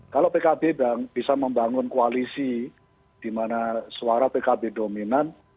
kalau pkb bisa membangun koalisi di mana suara pkb dominan